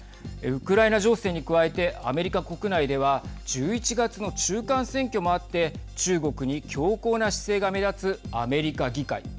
ウクライナ情勢に加えてアメリカ国内では１１月の中間選挙もあって中国に強硬な姿勢が目立つアメリカ議会。